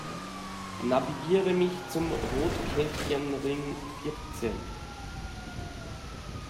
Navigiere mich zum Rotkelchenring vierzehn!